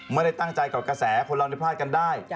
ไม่ได้ตั้งใจกับกระแสคนเราพลาดกันได้